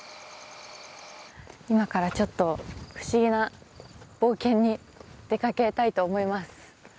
今からちょっと不思議な冒険に出掛けたいと思います